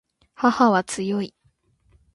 母は強い